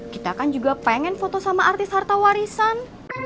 kita kan juga pengen foto sama artis harta warisan